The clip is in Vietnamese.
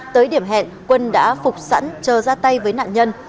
tới điểm hẹn quân đã phục sẵn chờ ra tay với nạn nhân